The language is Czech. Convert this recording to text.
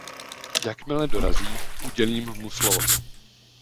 Jakmile dorazí, udělím mu slovo.